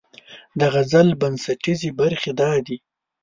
د غزل بنسټیزې برخې دا دي: